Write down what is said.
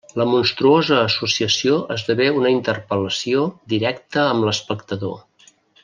La monstruosa associació esdevé una interpel·lació directa amb l’espectador.